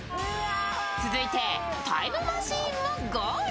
続いてタイムマシーンもゴール。